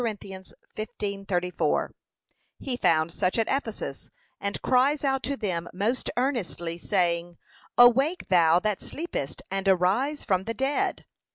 15:34) He found such at Ephesus, and cries out to them most earnestly, saying, 'Awake thou that sleepest, and arise from the dead.'